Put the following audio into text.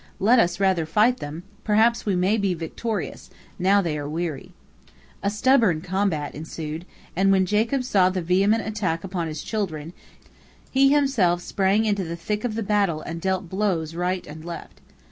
Let us rather fight them, perhaps we may be victorious, now they are weary." A stubborn combat ensued, and when Jacob saw the vehement attack upon his children, he himself sprang into the thick of the battle and dealt blows right and left.